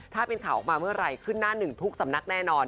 ถ้าเป็นข่าวออกมาเมื่อไหร่ขึ้นหน้าหนึ่งทุกสำนักแน่นอน